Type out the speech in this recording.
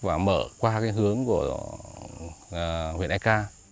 và mở qua cái hướng của huyện ek